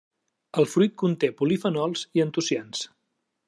El fruit conté polifenols i antocians.